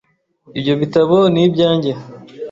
Ibyo bitabo ni ibyanjye .